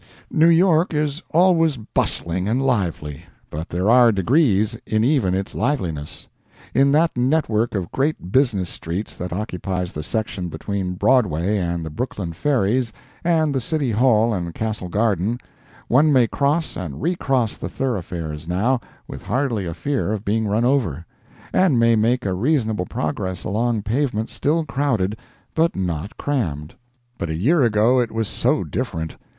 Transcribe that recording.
New York is always bustling and lively, but there are degrees in even its liveliness. In that net work of great business streets that occupies the section between Broadway and the Brooklyn ferries, and the City Hall and Castle Garden, one may cross and recross the thoroughfares, now, with hardly a fear of being run over, and may make a reasonable progress along pavement still crowded, but not crammed. But a year ago it was so different.